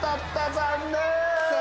残念。